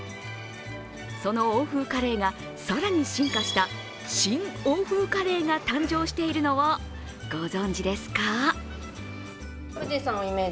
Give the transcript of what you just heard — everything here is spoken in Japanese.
その欧風カレーが更に進化した新欧風カレーが誕生しているのをご存じですか？